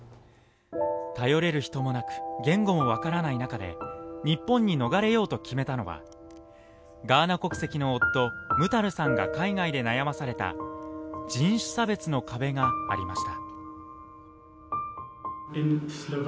頼れる人もなく、言語も分からない中で日本に逃れようと決めたのは、ガーナ国籍の夫、ムタルさんが海外で悩まされた人種差別の壁がありました。